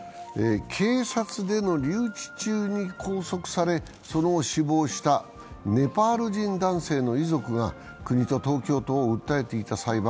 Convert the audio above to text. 警察での留置中に拘束され、その後死亡したネパール人男性の遺族が国と東京都を訴えていた裁判。